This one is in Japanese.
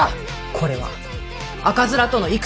これは赤面との戦じゃ。